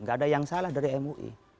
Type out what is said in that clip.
gak ada yang salah dari mui